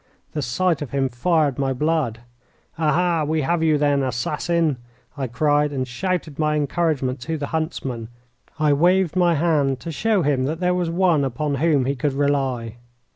The sight of him fired my blood. "Aha, we have you then, assassin!" I cried, and shouted my encouragement to the huntsman. I waved my hand to show him that there was one upon whom he could rely.